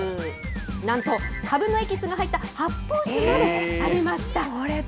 なんと、かぶのエキスが入った発泡酒までありました。